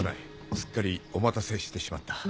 すっかりお待たせしてしまった。